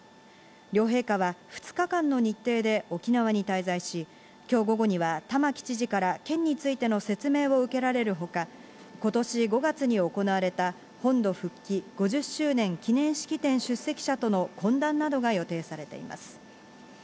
両陛下は２日間の日程で沖縄に滞在し、今日午後には玉城知事から県についての説明を受けられるほか、今年５月に行われた本土復帰５０周年記念式典出席者との懇談などが予定されています。